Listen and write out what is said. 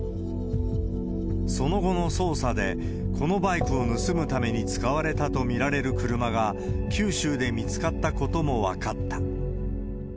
その後の捜査で、このバイクを盗むために使われたと見られる車が、九州で見つかったことも分かった。